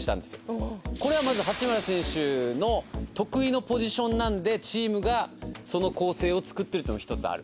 これはまず八村選手の得意のポジションなのでチームがその構成を作ってるっていうのが一つある。